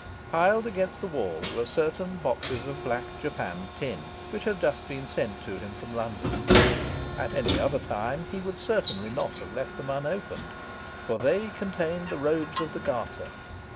Piled against the wall were certain boxes of black japanned tin, which had just been sent to him from London. At any other time he would certainly not have left them unopened. For they contained his robes of the Garter.